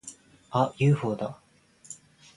あっ！ユーフォーだ！